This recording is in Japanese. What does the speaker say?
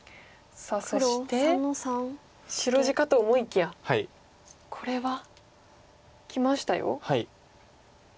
そして白地かと思いきやこれはきましたよ。